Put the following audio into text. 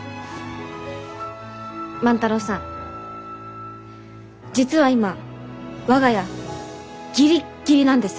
万太郎さん実は今我が家ギリッギリなんです。